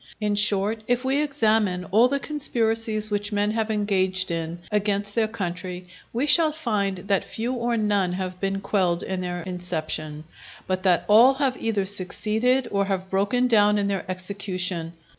In short, if we examine all the conspiracies which men have engaged in against their country, we shall find that few or none have been quelled in their inception, but that all have either succeeded, or have broken down in their execution.